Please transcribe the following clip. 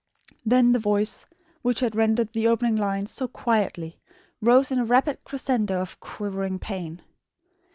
Then the voice, which had rendered the opening lines so quietly, rose in a rapid crescendo of quivering pain.